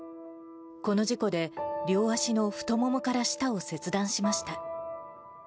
この事故で、両足の太ももから下を切断しました。